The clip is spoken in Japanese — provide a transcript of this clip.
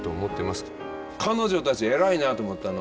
彼女たち偉いなと思ったの。